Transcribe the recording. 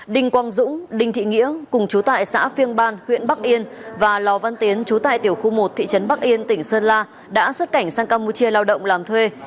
đinh quang dũng đinh thị nghĩa cùng chú tại xã phiêng ban huyện bắc yên và lò văn tiến chú tại tiểu khu một thị trấn bắc yên tỉnh sơn la đã xuất cảnh sang campuchia lao động làm thuê